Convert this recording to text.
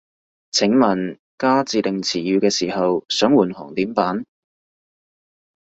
請問加自訂詞語嘅時候，想換行點辦